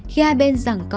khi hai bên giảng co